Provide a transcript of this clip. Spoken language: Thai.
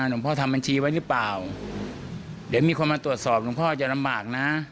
หลวงพ่อทำบัญชีไว้หรือเปล่าเดี๋ยวมีคนมาตรวจสอบหลวงพ่อจะลำบากนะ